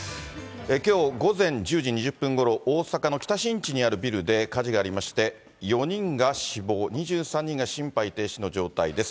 きょう午前１０時２０分ごろ、大阪の北新地にあるビルで火事がありまして、４人が死亡、２３人が心肺停止の状態です。